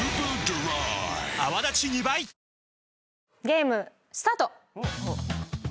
ゲームスタート！